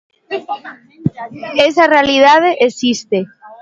Esa realidade existe.